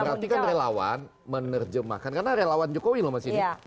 berarti kan relawan menerjemahkan karena relawan jokowi loh mas ini